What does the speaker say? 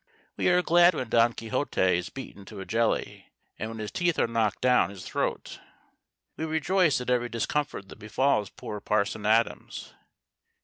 We are glad when Don Quixote is beaten to a jelly, and when his teeth are knocked down his throat. We rejoice at every discomfort that befalls poor Parson Adams.